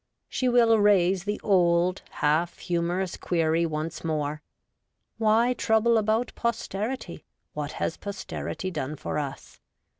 She will raise the old, half humorous query once more :' Why trouble about posterity ; what has posterity done for us